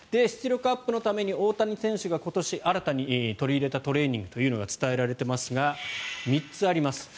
出力アップのために大谷選手が今年新たに取り入れたトレーニングというのが伝えられていますが３つあります。